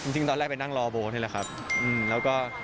จริงตอนแรกไปนั่งรอโบ๊ทนี่แหละครับแล้วก็